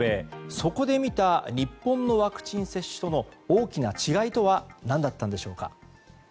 そこで見た日本のワクチン接種との大きな違いとは何だったんでしょうか？